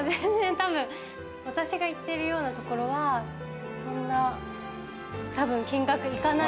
私が行ってるようなところは、そんな、たぶん金額、いかない。